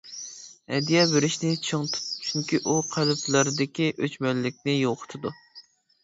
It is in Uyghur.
ھەدىيە بېرىشنى چىڭ تۇت، چۈنكى ئۇ قەلبلەردىكى ئۆچمەنلىكنى يوقىتىدۇ.